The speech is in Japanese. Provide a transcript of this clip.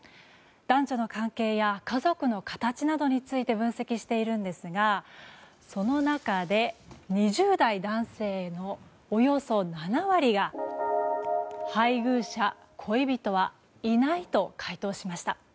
男女の関係や家族の形などについて分析しているのですがその中で２０代男性のおよそ７割が配偶者・恋人はいないと回答しました。